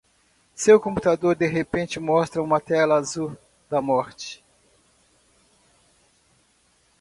Seu computador de repente mostra uma tela azul da morte.